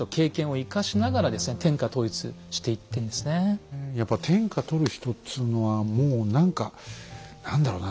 やっぱ天下取る人っつうのはもう何か何だろうな